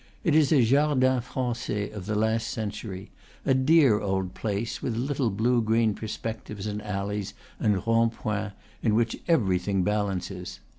It is a jardin fran cais of the last century, a dear old place, with little blue green perspectives and alleys and rondpoints, in which everything balances.